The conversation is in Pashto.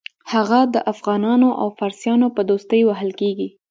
هغه د افغانانو او فارسیانو په دوستۍ وهل کېږي.